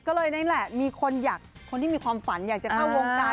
ก็เลยนี่แหละมีคนอยากคนที่มีความฝันอยากจะเข้าวงการ